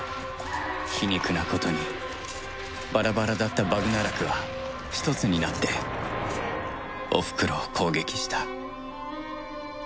皮肉なことにバラバラだったバグナラクは一つになっておふくろを攻撃した。